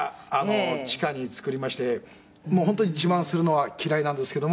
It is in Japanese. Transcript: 「地下に作りましてもう本当に自慢するのは嫌いなんですけども」